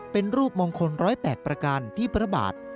เป็นรูปมงคล๑๐๘ประการที่พระบาท